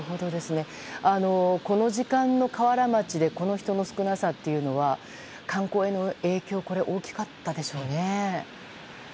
この時間の河原町でこの人の少なさというのは観光への影響大きかったでしょうね。